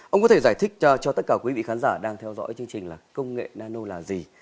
ông có thể giải thích cho tất cả quý vị khán giả đang theo dõi chương trình là công nghệ nano là gì